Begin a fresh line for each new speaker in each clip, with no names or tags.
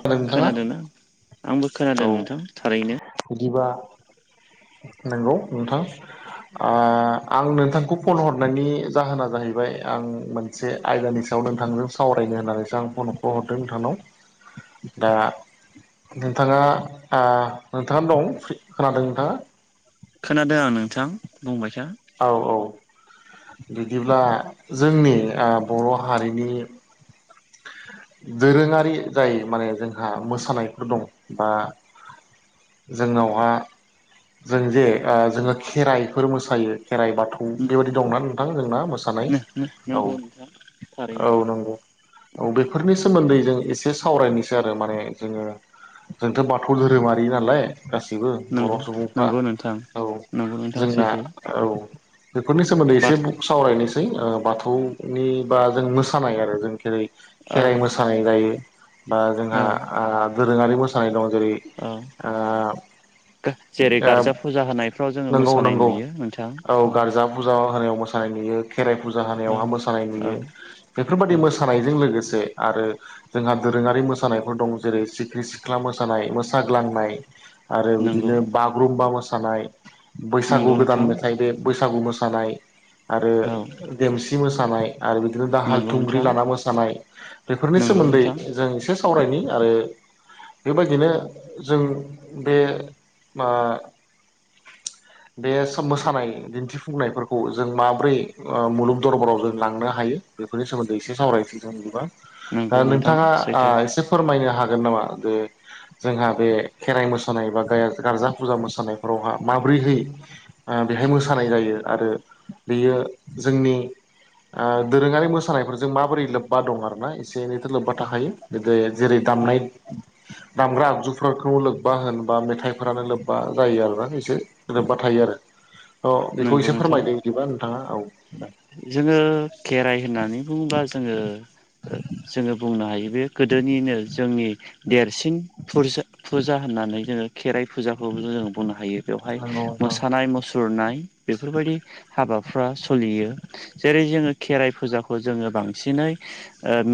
खोनादों नोंथाङा
खोनादोंना आंबो
औ
खोनादों नोंथां थारैनो
बिदिबा नोंगौ नोंथां आ आं नोंथांखौ फन हरनायनि जाहोना जाहैबाय आं मोन मोनसे आयदानि सायाव नोंथांजों सावरायनो होननानैसो आं फनखो हरदों नोंथांनाव। दा नोंथाङा आ नोंथाङा दं खोनादों नोंथाङा
खोनादों आं नोंथां बुंबायथा
औ औ बिदिब्ला जोंनि बर' हारिनि दोरोङारि जाय माने जोंहा मोसानायफोर दं बा जोंनावहा जों जे जोङो खेराइफोर मोसायो खेराइ बाथौ बेबायाददि दं न नोंथां जोंना? मोसानाय औ
नंगौ नोंथां थारैनो
औ नंगौ औ बेफोरनि सोमोन्दै जों एसे सावरायनोसै आरो माने जोङो जोंथ' बाथौ धोरोमारि नालाय। गाससिबो
नंगौ
बर' सुबुंफ्रा
नंगौ नोंथां
औ
नंगौ नोंथां
जोंना
सैथो
औ बेफोरनि सोमोन्दै एसे
बाथ
बु ख सावरायनोसै बाथौनि बा जों मोसानाय आरो जों खेर
औ
खेराइ मोसा मोसानाय जायो बा
औ
जोंहा दोरोङारि मोसानाय दं जेरै
औ
-
जेरै गारजा फुजा होनायफ्राव जोङो
नंगौ
मोसानाय
नंगौ
नुयो नोंथां
औ गारजा फुजा होनायाव मो सानाय नुयो खेराइ फुजा
औ
होनायावहाय मोसानाय
औ
नुयो बेफोरबायदि
औ
मो मोसानायजों लोगोसे आरो जोंहा दोरोङारि मोसानायफोर दं जेरै सिखिरि सिख्ला मोसानाय, मोसाग्लांनाय, आरो
नंगौ
बिदिनो बागुरुम्बा मोसानाय बैसागु
नंगौ
गोदान
नोंथां
मेथाइ बे बैसागु मोसानाय आरो
औ
देमसि मोसानाय आरो बिदिनो दाहाल
नंगौ
थुंग्रि
नोंथां
लाना मोसानाय बेफोरनि
नंगौ
सोमोन्दै
नोंथां
जों एसे सावरायनि आरो बेबायदिनो जों बे मा बे मोसानाय दिन्थिफुंनायफोरखौ जों माब्रै मुलुग दरबाराव जों लांनो हायो। बेफोरनि सोमोन्दै एसे सावरायसै जों गोबां
नंगौ
दा
नोंथां
नोंथाङा
सैथो
एसे आ फोरमायनो हागोन नामा जे जोंहा बे खेराइ मोसानाय बा गारजा फुजा मोसानायफोरावहा माबोरै होयो। बेहाय मोसानाय जायो आरो बेयो जोंनि दोरोङारि मोसानायफोरजों माबोरै लो ब्बा दं आरोना एसे एनैथ' लोब्बा
औ
थाखायो बिदि जेरै दामनाय दामग्रा आगजुफोरखौ लोब्बा होनबा मेथाइफोरानो लोब्बा जायो आरोना एसे लोब्बा थायो आरो अ बेखौ
नंगौ
एसे
नोंथां
फोरमायदो बिदिबा नोंथाङा औ।
जोङो खेराइ होननानै बुङोब्ला जोङो जोङो बुंनो हायो बे गोदोनिनो जोंनि देरसिन फुर-फुजा होननानै जोङो खेराइ फुजाखौ जों बुंनो हायो बेवहाय
नंगौ नोंथां
मोसानाय मु सुरनाय बेफोरबायदि हाबाफ्रा सोलियो। जेरै जोङो खेराइ फुजाखौ जोङो बांसिनै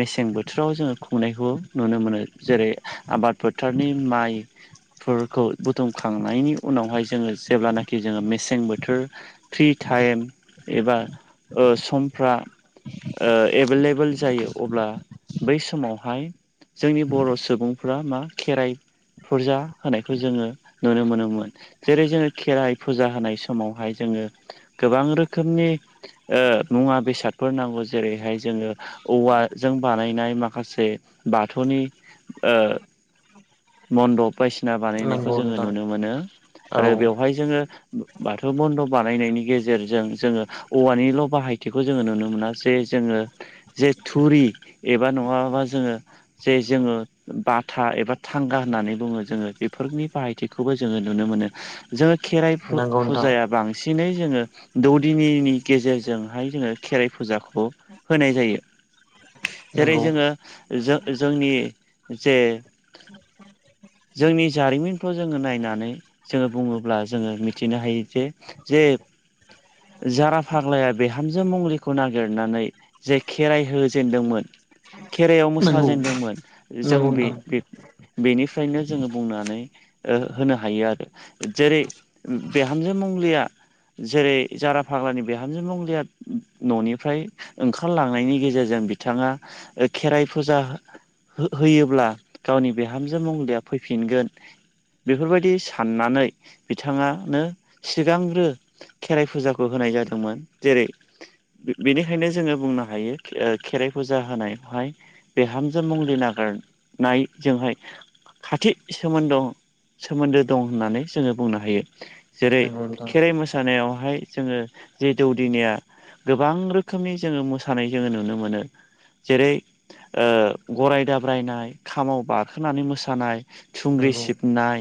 मेसें बोथोराव जोङो खुंनायखौ नुनो मोनो। जेरै आबाद फोथारनि माइ फोरखौ बुथुमखांनायनि उनावहाय जोङो जेब्लानाखि जोङो मेसें बोथोर फ्रि टाइम एबा ओ समफ्रा ओ एभेलेबेल जायो अब्ला बै समावहाय जोंनि बर' सुबुंफ्रा मा खेराइ फुरजा होनायखौ जोङो नुनो मोनोमोन जेरै जोङो खेराइ फुजा होनाय समावहाय जोङो गोबां रोखोमनि ओ मुवा बेसादफोर नांगौ जेरैहाय जोङो औवाजों बानायनाय माखासे बाथौनि ओ मन्दप बायदिसिना बानायनायखौ
नंगौ
जोङो
नोंथां
नुनो मोनो
औ
आरो बेवहाय जोङो बाथौ मन्दफ' बानायनायनि गेजेरजों जोङो औवानि ल' बाहायथिखौ जोङो नुनो मोना जे जोङो जे थुरि एबा नङाबा जोङो जे जोङो बाथा एबा थांगा होननानै बुङो जोङो बेफोरनि बाहायथिखौबो जोङो नुनो मोनो। जोङो खेराइ
नंगौ नोंथां
फुजाया बांसिनै जोङो दौदिनिनि गेजेरजों जोंहाय जोङो खेराइ फुजाखौ होनाय जायो जेरै
नंगौ
जोङो जो-जोंनि जे
[inaudible]
[inaudible] जोंनि जारिमिनखौ जोङो नायनानै जोङो बुङोब्ला जोङो मिथिनो हायो जे जे जारा फाग्लाया बिहामजो मंग्लिखौ नागिरनानै जे खेराइ होजेनदोंमोन खेराइआव
नंगौ
मोसाजेेनदोंमोन जों
नंगौ
बे
नोंथां
बेनिफ्रायनो जोङो बुंनानै ओ होनो हायो आरो जेरै बिहामजो मंलिया जेरै जारा फाग्लानि बिहामजों मंलि [unintelligible] न'निफ्राय ओंखारलांनायनि गेजेरजों बिथाङा ओ खेराइ फुजा हो-होयोब्ला गावनि बिहामजो मंलिया फैफिनगोन बेफोरबायदि साननानै बिथाङानो सिगांग्रो खेराइ फुजाखौ होनाय जादोंमोन जेरै बेनिखायनो जोङो बुंनो हायो ओ खेराइ फुजा होनायावहाय बिहामजो मंलि नागिरनाय जोंहाय खाथि सोमोन्द सोमोन्दो दं होननानै जोङो बुंनो हायो। जेरै
नंगौ नोंथां
खेराइ मोसानायावहाय जोङो जि दौदिनाया गोबां रोखोमनि जोङो मोसानाय जोङो नुनो मोनो। जेरै ओ गराय दाब्रायनाय खामाव बारखोनानै मोसानाय थुंग्रि
नंगौ
सिबनाय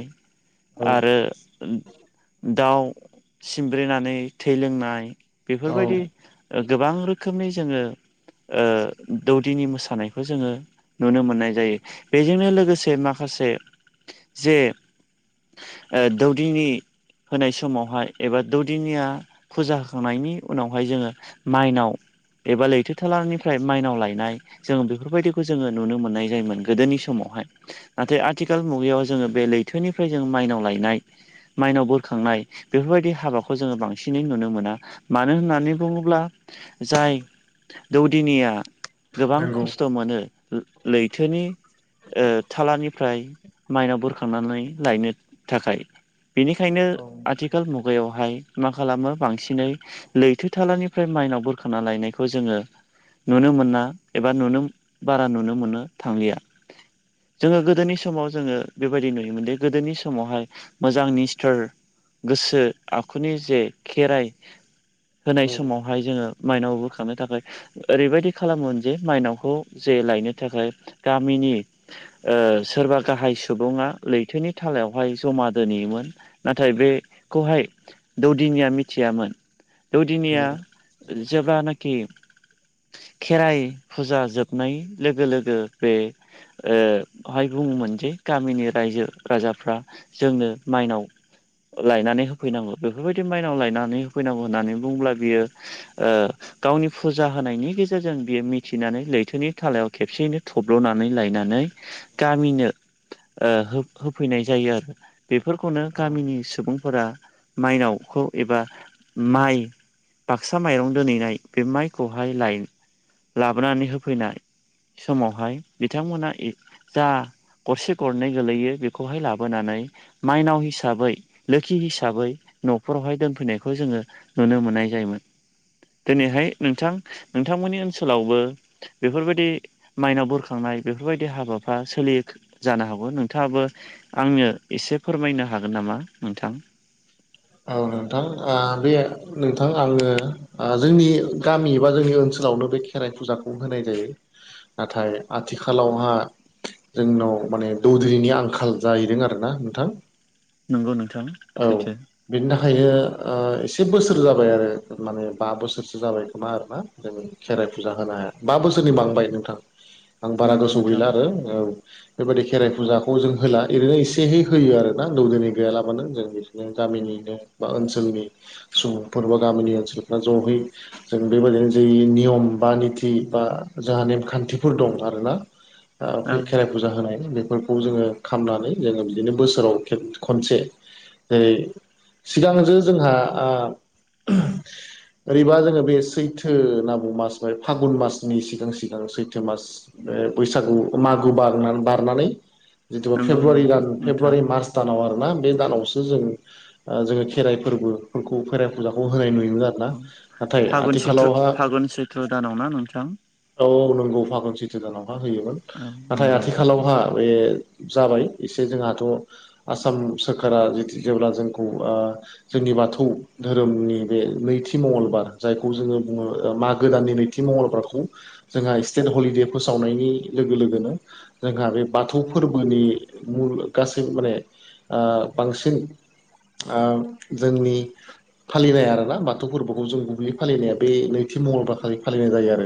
औ
आरो दाउ सिमब्रेनानै थै लोंनाय
औ
बेफोरबायदि गोबां रोखोम रोखोमै जोङो ओ दौदिनि मोसानायखौ जोङो नुनो मोननाय जायो बेजोंनो लोगोसे माखासे जे ओ दौदिनि होनाय समावहाय एबा दौदिनिया फुजा [unintelligible] होखांनायनि उनावहाय जोङो माइनाव एबा लैथो थालानिफ्राय माइनाव लायनाय जोङो बेफोरबायदिखौ जोङो नुनो मोननाय जायोमोन गोदोनि समावहाय नाथाय आथिखाल मुगायाव जोङो बे लैथोनिफ्राय जों माइनाव लायनाय माइनाव बोरखांनाय बेफोरबायदि हाबाखौ जोङो बांसिनै नुनो मोना। मानो होननानै बुङोब्ला जाय दौदिनिया गोबां
नंगौ
खस्थ' मोनो लैथोनि ओ थालानिफ्राय माइनाव बोरखांनानै लायनो थाखाय। बेनिखायनो
औ
आथिखाल मुगायावहाय मा खालामो बांसिनै लैथो थालानिफ्राय माइनाव बोखांना लायनायखौ जोङो नुनो मोना एबा नुनो बारा नुनो मोनो थांलिया। जोङो गोदोनि समाव जोङो बेबायदि नुयोमोनदि गोदोनि समावहाय मोजां निस्थार गोसो आखुनि जे खेराइ होनाय
नंगौ
समावहाय जोङो माइनाव बोखांनो थाखाय ओरैबायदि खालामोन जे माइनावखौ जे लायनो थाखाय गामिनि ओ सोरबा गाहाय सुबुङा लैथोनि थालायावहाय जमा दोनहैयोमोन। नाथाय बे खौहाय दौदिनिया मिथियामोन। दौदिनिया
नंगौ
जेब्लानाखि खेराइ फुजा जोबनाय लोगो लोगो बे ओ हाय बुङोमोन जे गामिनि रायजो राजाफ्रा जोंनो माइनाव लायनानै होफैनांगौ बेफोरबायदि माइनाव लायनानै होफैनांगौ होननानै बुंङोब्ला बियो ओ गावनि फुजा होनायनि गेजेरजों बियो मिथिनानै लैथोनि थालायाव खेबसेयैनो थब्ल'नानै लायनानै गामिनो होफैनाय जायो आरो बेफोरखौनो
औ
गामिनि सुबुंफोरा माइनावखौ एबा माइ बाक्सा माइरं दोनहैनाय बे माइखौहाय लाय लाबोनानै होफैनाय समावहाय बिथांमोना [unintelligible] जा गरसे गरनै गोलैयो बेखौहाय लाबोनानै माइनाव हिसाबै लोखि हिसाबै न'फोरावहाय दोनफैनायखौ जोङो नुनो मोननाय जायोमोन दिनैहाय नोंथां नोंथांमोननि ओनसोलावबो बेफोरबायदि माइनाव बुरखांनाय बेफोरबायदि हाबाफ्रा सोलियो जानो हागौ नोंथाङाबो आंनो एसे फोरमायनो हागोन नामा नोंथां।
औ नोंथां बे नोंथां आङो जोंनि गामि बा जोंनि ओनसोलावनो बे खेराइ फुजाखौ होनाय जायो। नाथाय आथिखालावहा, जोंनाव माने दौदिनिनि आंखाल जाहैदों आरोना नोंथां,
नंगौ नोंथां।
औ
सैथो
बिनि थाखायनो ओ एसे बोसोर जाबाय आरो माने बा बोसोरसो जाबाय खोमा आरोना खेराइ फुजा होनो बा बोसोरनि बांबाय नोंथां आं बारा
नंगौ
गोसो आव
नोंथां
गैला आरो औ बेबायदि खेराइ फुजाखौ जों होला ओरैनो एसेहै होयो आरो ना दौदिनि गैयालाबानो जों, बिदिनो गामिनिनो बा ओनसोलनि सुबुंफोर बा गामिनि ओनसोलफ्रा ज'यै, जों बेबायदिनो जे नियम बा निथि बा जोंहा नेमखान्थिफोर दं आरोना।
[inaudible]
ओ खेराइ फुजा होनाय बेफोरखौ जोङो खालामनानै जोङो बिदिनो बोसोराव खनसे जेरै सिगांजो जोंहा आ। ओरैबा जोङो बे सैथो होनना बुङो मास फागुन मासनि सिगां सिगां सैथो मास बे बैसागु मागो बार बारनानै जिथु
नंगौ
फेब्रुवारि
नंगौ
दान
नोंथां
फेब्रुवारि मार्च दानाव आरो ना बे दानावसो जों ओ जोङो खेराइ फोरबोफोरखौ खेराइ फुजाखौ होनाय नुयोमोन आरो ना
औ
नाथाय आथिखालावहा,
सैत्र दानाव ना नोंथां।
औ नंगौ फागुन सैत्र दानाव हा होयोमोन
औ
नाथाय
नंगौ
आथिखालाव, हा बे जाबाय एसे जोंहाथ' आसाम सोरखारा जेब्ला जोंखौ जोंनि बाथौ धोरोमनि बे नैथि मंगलबार जायखौ जोङो बुङो मागो दाननि नै नैथि मंगलबारखौ जोंहा स्टेट हलिदे फोसावनायनि लोगो लोगोनो, जोंहा बे बाथौ फोरबोनि मुल गासै माने ओ बांसिन ओ जोंनि, फालिनाय आरो ना बाथौ फोरबोखौ जों गुबैयै फालिनाया बे नैथि मंगलबारखालि फालिनाय जायो आरो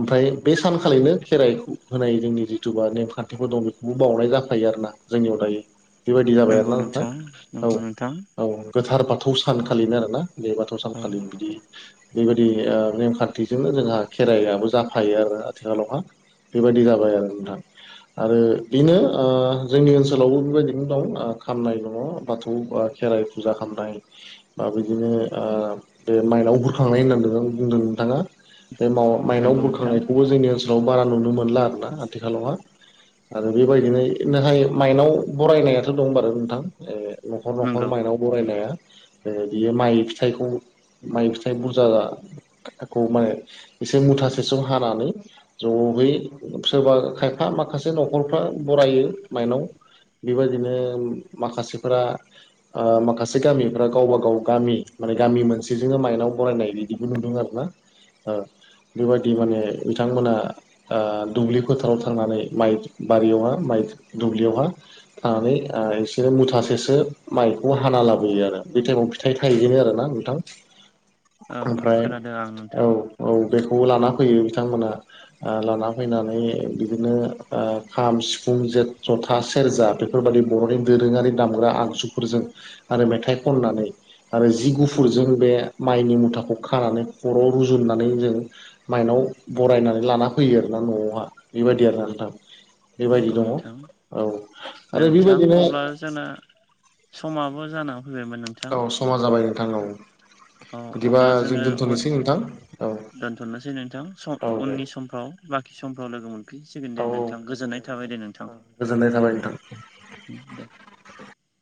ओमफ्राय बे सानखालिनो खेराइ होनाय जोंनि जिथुुबा नेमखान्थिफोर दं बेखौबो बावनाय जाफायो आरो ना। जोंनियाव थायो बेबायदि जाबाय
नंगौ
आरोना नोंथां
नंगौ नोंथां
औ औ गोथार बाथौ सानखालिनो आरोना बे बाथौ
औ
सानखालि बिदि बेबायदि ओ नेमखान्थिजोंनो जोंहा खेराइआबो, जाफायो आरो आथिखालावहा बेबायदि जाबाय आरो नोंथां। आरो बेनो ओ जोंनि ओनसोलावबो बेबायदिनो दं खालामनाय दङ बाथौ खेराइ, फुजा खालामनाय। बा बिदिनो ओ बे माइनाव बुरखांनाय होननानै बुंदों नोंथाङा। बे माव माइनाव
नंगौ नोंथां
बुरखांनायखौबो जोंनि ओनसोलाव बारा नुनो मोनला आरोना आथिखालावहा। आरो बेबायदिनो नाथाय माइनाव बरायनायाथ' दं [unintelligible] नोंथां। ए न'खर न'खर
नंगौ
माइनाव बरायनाया। बियो माइ फिथाइखौ माइ फिथाइ बुरजा। खौ माने एसे मुथासेसो हानानै, ज'है सोरबा खायफा माखासे न'खरफ्रा बरायो माइनाव, बेबायदिनो माखासेफोरा, ओ माखासे गामिफ्रा गावबा गाव गामि माने गामि मोनसेजोंनो माइनाव बरायनाय बिदिबो नुदों आरो ना। ओ बेबायदि माने बिथांमोना। ओ दुब्लि फोथाराव थांनानै माइ बारियावहा माइ दुब्लियावहा, थानानै ओ एसे मुथासेसो माइखौ हाना लाबोयो आरो बे टाइमाव, फिथाइ थायजेनो आरो ना नोंथां,
ओं
ओमफ्राय
खोनादों आं
औ
नोंथां।
औ बेखौबो लाना फैयो बिथांमोना। आ लाना फैनानै बिदिनो आ खाम सिफुं जेन जथा सेरजा बे फोर बादि बर'नि दोरोङारि दामग्रा आगजुफोरजों आरो मेथाइ खननानै आरो जि गुफुरजों बे माइनि मुथाखौ खानानै खर'आव रुजुननानै जों माइनाव बरायनानै लाना फैयो आरोना न'आवहा बेबायदि आरोना नोंथां। बेबायदि
नंगौ
दङ
नोंथां
औ आरो
नोंथां
बेबायदिनो
अब्ला जोंना समाबो जाना फैबायमोन नों
औ समा जाबाय नोंथां औ।
औ
बिदिबा
अब्ला
जों
जोङो उद
दोनथ'नोसै नोंथां औ
दोनथ'नोसै नोंथां सम
औ दे
उननि समफ्राव बाखि समफ्राव लोगो मोनफिनसिगोन
औ
दे नोंथां गोजोननाय थाबाय
[inaudible] गोजोननाय थाबाय नोंथां।
उम दे।